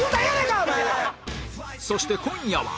そして今夜は